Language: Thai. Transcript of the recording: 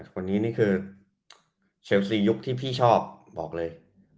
วันนี้นี่คือเชลซียุคที่พี่ชอบบอกเลย